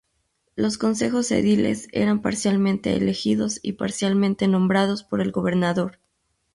Los concejos ediles eran parcialmente elegidos y parcialmente nombrados por el gobernador.